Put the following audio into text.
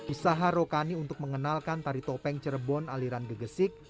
usaha rokani untuk mengenalkan tari topeng cirebon aliran gegesik